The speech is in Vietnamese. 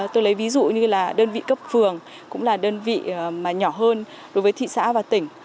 tôi lấy ví dụ như là đơn vị cấp phường cũng là đơn vị mà nhỏ hơn đối với thị xã và tỉnh